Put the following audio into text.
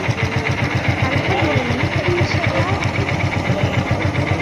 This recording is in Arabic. على حد علمي ، فإن الشائعات ليست صحيحة.